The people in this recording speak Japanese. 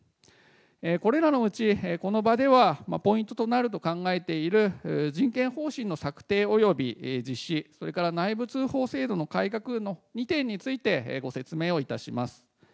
これらのうち、この場ではポイントとなると考えている人権方針の策定および実施、それから内部通報制度の改革の２点についてご説明をいたします。